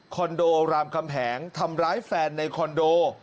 โดรามคำแหงทำร้ายแฟนในคอนโด